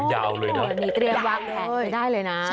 อ๋อยาวเลยนะนี่เตรียมวางแผ่นไปได้เลยนะ